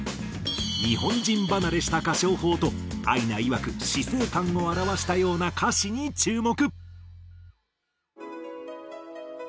日本人離れした歌唱法とアイナいわく死生観を表したような歌詞に注目。